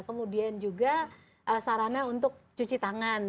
kemudian juga sarana untuk cuci tangan